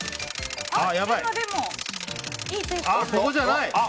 でもいいペースです。